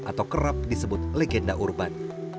atau kerap disebut legenda urban